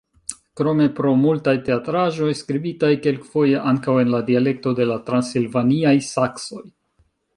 Krome pro multaj teatraĵoj, skribitaj kelkfoje ankaŭ en la dialekto de la transilvaniaj saksoj.